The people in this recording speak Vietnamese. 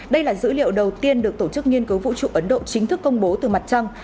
đây là dữ liệu đầu tiên được tổ chức nghiên cứu vũ trụ ấn độ chính thức công bố từ mặt trăng